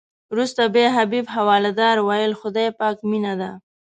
وروسته بیا حبیب حوالدار ویل خدای پاک مینه ده.